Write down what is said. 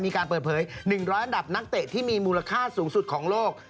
มีการเปิดเผย๑๐๐อันดับนักเตะที่มีมูลค่าสูงสุดของโลก